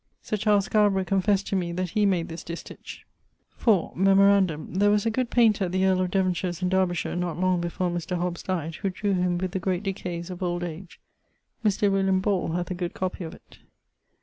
(Sir Charles Scarborough confessed to me that he made this distich.) Memorandum there was a good painter at the earl of Devonshire's in Derbyshire not long before Mr. Hobbes dyed, who drew him with the great decayes of old age. Mr. William Ball hath a good copie of it.